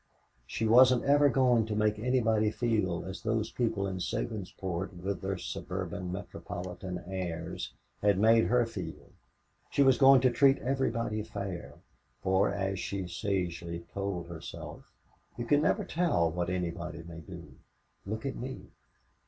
She wasn't ever going to make anybody feel as those people in Sabinsport, with their suburban, metropolitan airs, had made her feel. She was going to treat everybody fair, for, as she sagely told herself, "You can never tell what anybody may do look at me!"